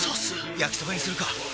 焼きそばにするか！